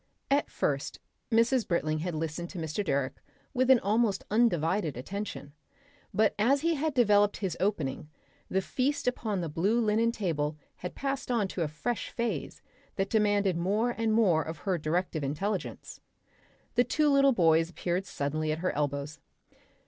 At first Mrs. Britling had listened to Mr. Direck with an almost undivided attention, but as he had developed his opening the feast upon the blue linen table had passed on to a fresh phase that demanded more and more of her directive intelligence. The two little boys appeared suddenly at her elbows.